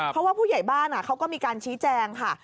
เพราะว่าผู้ใหญ่บ้านเขาก็มีการชี้แจงค่ะ